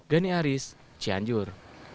gani haris cianjur